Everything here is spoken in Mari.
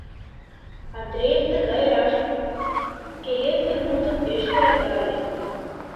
Андреев тыгай раш, келесыр мутым пеш йӧрата ыле.